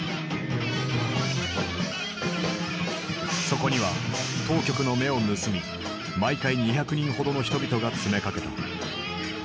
そこには当局の目を盗み毎回２００人ほどの人々が詰めかけた。